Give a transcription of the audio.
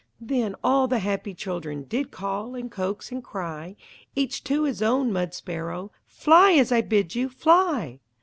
Then all the happy children Did call, and coax, and cry Each to his own mud sparrow: "Fly, as I bid you! Fly!"